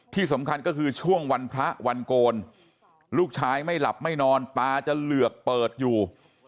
ที่สำคัญก็คือช่วงวันพระวันโกนลูกชายไม่หลับไม่นอนตาจะเหลือกเปิดอยู่